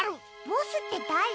ボスってだれ？